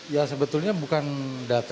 ya sebetulnya bukan data